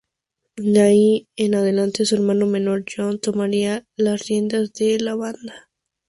De ahí en adelante, su hermano menor, John, tomaría las riendas de la banda.